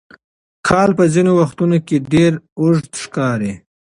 کال په ځینو وختونو کې ډېر اوږد ښکاري.